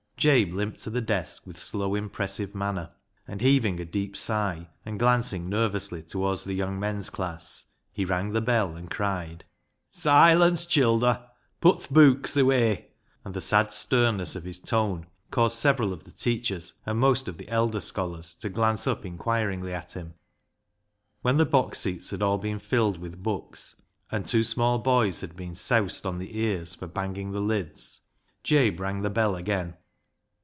Jabe limped to the desk, with slow, impressive manner ; and after heaving a deep sigh and glancing nervously towards the young men's class, he rang the bell and cried —" Silence, childer ! Tut th' beuks away; " and the sad sternness of his tone caused several of LEAH'S LOVER 37 the teachers and most of the elder scholars to glance up inquiringly at him. When the box seats had all been filled with books, and two small boys had been " seaused " on the ears for banging the lids, Jabe rang the bell again.